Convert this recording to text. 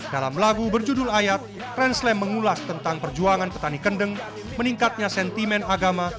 dalam lagu berjudul ayat renslem mengulas tentang perjuangan petani kendeng meningkatnya sentimen agama